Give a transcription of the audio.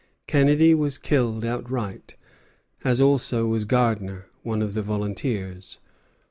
Kennedy was killed outright, as also was Gardner, one of the volunteers.